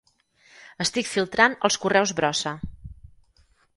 Estic filtrant els correus brossa.